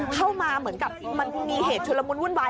เข้ามาเหมือนมีเหตุชุนละมุนวุ่นวาย